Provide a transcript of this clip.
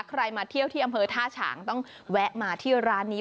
มาเที่ยวที่อำเภอท่าฉางต้องแวะมาที่ร้านนี้